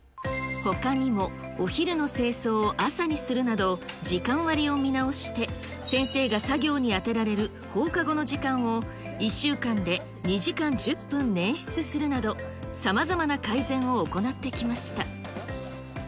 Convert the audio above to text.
ほかにもお昼の清掃を朝にするなど、時間割りを見直して、先生が作業にあてられる放課後の時間を１週間で２時間１０分捻出するなど、さまざまな改善を行ってきました。